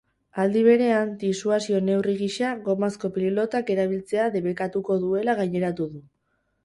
Aldi berean, disuasio-neurri gisa gomazko pilotak erabiltzea debekatuko duela gaineratu du.